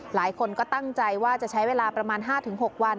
หลายคนก็ตั้งใจว่าจะใช้เวลาประมาณ๕๖วัน